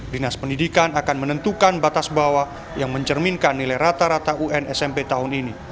dinas pendidikan akan menentukan batas bawah yang mencerminkan nilai rata rata un smp tahun ini